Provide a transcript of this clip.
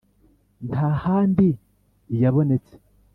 Nta handi lyabonetse.